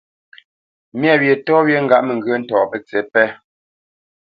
Myâ wyê tɔ́ wyê ŋgâʼ mə ŋgyə̂ ntɔ̌ pətsǐ pé.